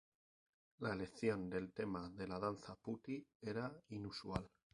La elección del tema de la danza putti era inusual.